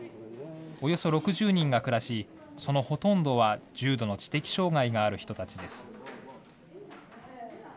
およそ６０人が暮らし、そのほとんどは重度の知的障害がある人たちです。